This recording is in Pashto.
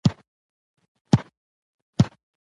د واکمنانو پر قدرت د کنټرول هېڅ څرک نه لیدل کېږي.